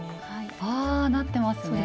あなってますね。